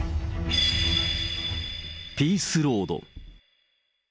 ピースロード。